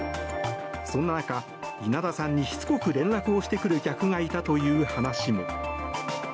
そんな中、稲田さんにしつこく連絡をしてくる客がいたという話も。